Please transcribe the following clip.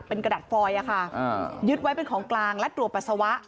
เป็นกระดาษฟอยล์อ่ะค่ะอ่ายึดไว้เป็นของกลางและตัวปัสสาวะ